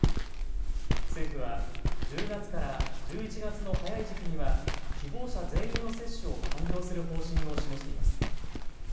政府は１０月から１１月の早い時期には希望者全員の接種を完了する方針を示しています。